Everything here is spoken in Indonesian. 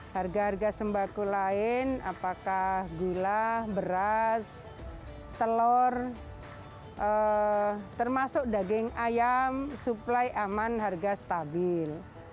harga harga sembako lain apakah gula beras telur termasuk daging ayam suplai aman harga stabil